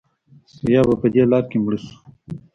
یا به په دې لاره کې مړه شو.